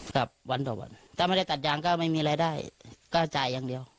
ครับวันต่อวันถ้าไม่ได้ตัดยางก็ไม่มีรายได้ก็จ่ายอย่างเดียว